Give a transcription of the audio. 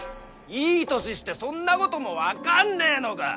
いい年してそんなこともわかんねぇのか？